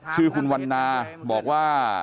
ชื่อคุณวันนาบอกว่า